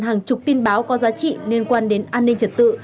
hàng chục tin báo có giá trị liên quan đến an ninh trật tự